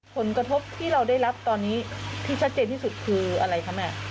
ผลกระทบที่เราได้รับตอนนี้ที่ชัดเจนที่สุดคืออะไรคะแม่